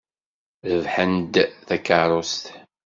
Rebḥen-d takeṛṛust.